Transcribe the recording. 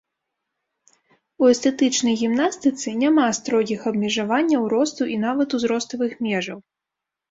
У эстэтычнай гімнастыцы няма строгіх абмежаванняў росту і нават узроставых межаў.